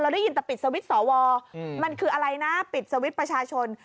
ได้ยินแต่ปิดสวิตช์สวมันคืออะไรนะปิดสวิตช์ประชาชน